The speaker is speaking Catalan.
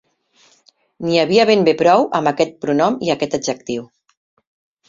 N'hi havia ben bé prou amb aquest pronom i aquest adjectiu.